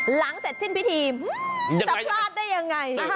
หลังเสร็จสิ้นพิธีจะพลาดได้ยังไง